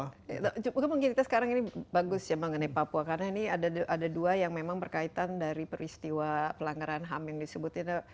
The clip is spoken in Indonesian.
itu mungkin kita sekarang ini bagus ya mengenai papua karena ini ada dua yang memang berkaitan dari peristiwa pelanggaran ham yang disebut